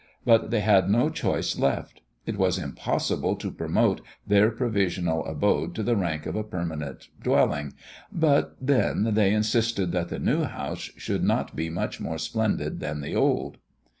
But they had no choice left. It was impossible to promote their provisional abode to the rank of a permanent dwelling. But then, they insisted that the new house should not be much more splendid than the old.